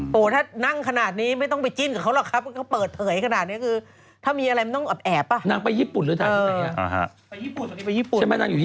เป็นไงแบบแบบเกาหลีอะไรอย่างนี้ไหม